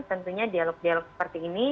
tentunya dialog dialog seperti ini